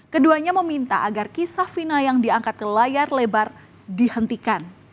keduanya meminta agar kisah fina yang diangkat ke layar lebar dihentikan